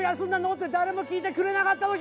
って誰も聞いてくれなかった時。